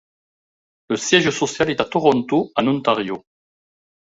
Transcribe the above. Le siège social est à Toronto, en Ontario.